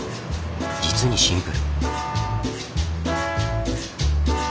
実にシンプル。